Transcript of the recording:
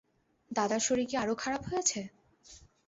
দাদার শরীর কি আরো খারাপ হয়েছে?